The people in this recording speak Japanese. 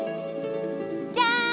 じゃん！